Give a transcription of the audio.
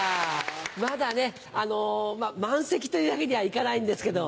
まだね満席というわけにはいかないんですけど。